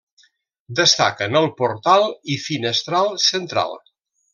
Destaquen el portal i finestral central.